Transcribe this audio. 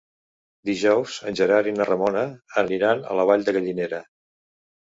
Dijous en Gerard i na Ramona aniran a la Vall de Gallinera.